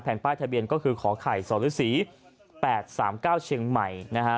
ป้ายทะเบียนก็คือขอไข่สรศรี๘๓๙เชียงใหม่นะฮะ